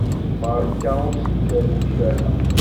Beṛka ur skerwic ara!